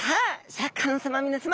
シャーク香音さま皆さま